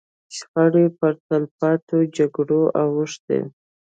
شخړې پر تلپاتو جګړو اوښتې.